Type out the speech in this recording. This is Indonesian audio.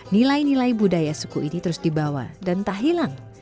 nilai nilai budaya suku ini terus dibawa dan tak hilang